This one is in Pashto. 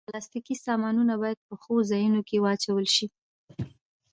پلاستيکي سامانونه باید په ښو ځایونو کې واچول شي.